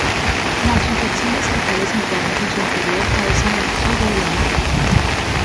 Las reflexiones totales internas en su interior causan el giro de la imagen.